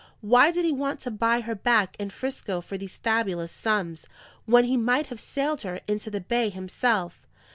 "Why did he want to buy her back in 'Frisco for these fabulous sums, when he might have sailed her into the bay himself?"